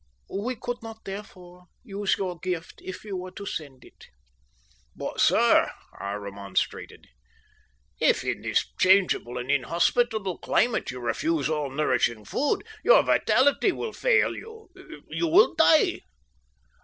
We could not, therefore, use your gift if you were to send it." "But, sir," I remonstrated, "if in this changeable and inhospitable climate you refuse all nourishing food your vitality will fail you you will die."